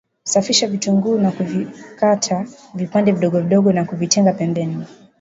Safisha vitunguu na kuvikata vipande vidogo vidogo na kuvitenga pembeni